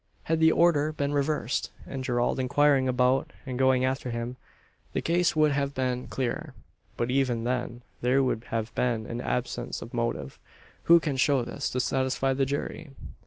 Had the order been reversed, and Gerald inquiring about and going after him, the case would have been clearer. But even then there would have been an absence of motive. Who can show this, to satisfy the jury?